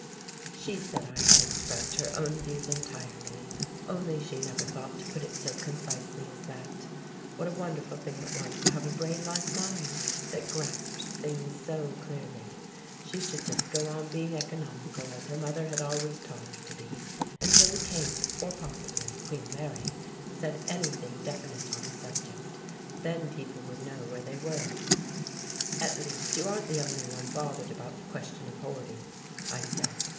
She said I had expressed her own views entirely, only she never thought to put it so concisely as that. What a wonderful thing it was to have a brain like mine that grasped things so clearly! She should just go on being economical as her mother had always taught her to be, until the King—or, possibly, Queen Mary—said anything definite on the subject, then people would know where they were. "At least, you aren't the only one bothered about the question of hoarding," I said.